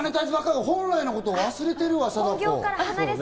本来のことを忘れてるわ。